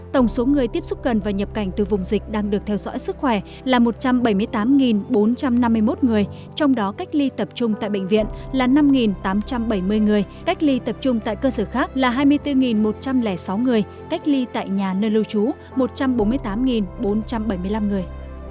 tổng số người tiếp xúc gần và nhập cảnh từ vùng dịch đang được theo dõi sức khỏe là một trăm bảy mươi tám bốn trăm năm mươi một người trong đó cách ly tập trung tại bệnh viện là năm tám trăm bảy mươi người cách ly tập trung tại cơ sở khác là hai mươi bốn một trăm linh sáu người cách ly tại nhà nơi lưu trú một trăm bốn mươi tám bốn trăm bảy mươi năm người